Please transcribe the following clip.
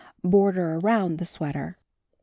Border around the Sweater: 1.